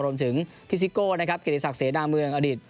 รวมถึงพี่ซิโก้นะครับเกียรติศักดิเสนาเมืองอดีต